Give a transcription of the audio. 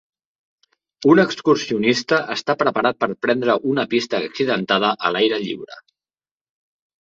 Un excursionista està preparat per prendre una pista accidentada a l'aire lliure.